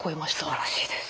すばらしいです。